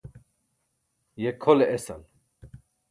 Ye khole esal!